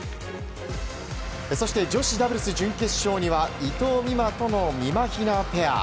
そして女子ダブルス準決勝には伊藤美誠とのみまひなペア。